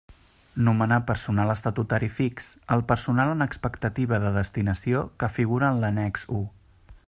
Nomenar personal estatutari fix el personal en expectativa de destinació que figura en l'annex I.